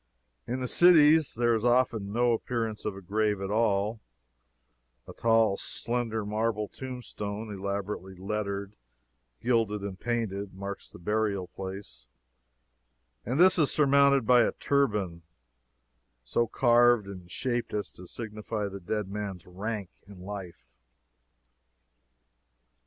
In the cities, there is often no appearance of a grave at all; a tall, slender marble tombstone, elaborately lettred, gilded and painted, marks the burial place, and this is surmounted by a turban, so carved and shaped as to signify the dead man's rank in life.